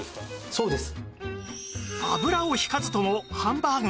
そうです。